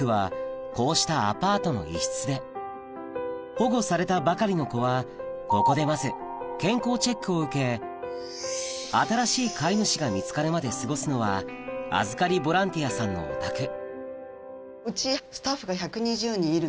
保護されたばかりの子はここでまず健康チェックを受け新しい飼い主が見つかるまで過ごすのは預かりボランティアさんのお宅うち。